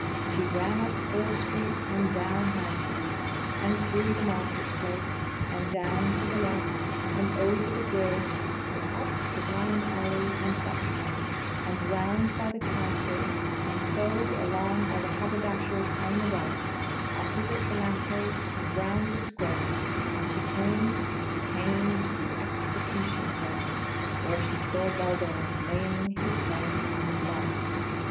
She ran up Fore Street, and down High Street, and through the Market place, and down to the left, and over the bridge, and up the blind alley, and back again, and round by the Castle, and so along by the Haberdasher's on the right, opposite the lamp post, and round the square, and she came she came to the EXECUTION PLACE, where she saw Bulbo laying his head on the block!!!